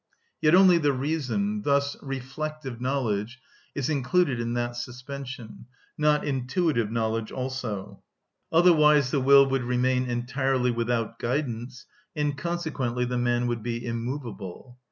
Yet only the reason, thus reflective knowledge, is included in that suspension, not intuitive knowledge also; otherwise the will would remain entirely without guidance, and consequently the man would be immovable.